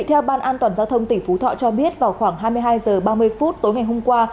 theo ban an toàn giao thông tỉnh phú thọ cho biết vào khoảng hai mươi hai h ba mươi phút tối ngày hôm qua